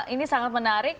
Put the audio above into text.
ini sangat menarik